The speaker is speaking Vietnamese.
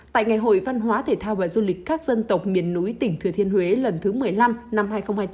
tại ngày hội văn hóa thể thao và du lịch các dân tộc miền núi tỉnh thừa thiên huế lần thứ một mươi năm năm hai nghìn hai mươi bốn